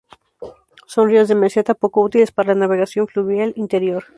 Son ríos de meseta, poco útiles para la navegación fluvial interior.